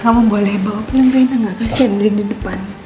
kamu boleh bawa rendy enggak kasian rendy di depan